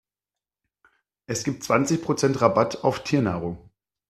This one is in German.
Es gibt zwanzig Prozent Rabatt auf Tiernahrung.